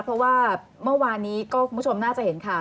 เพราะว่าเมื่อวานนี้ก็คุณผู้ชมน่าจะเห็นข่าว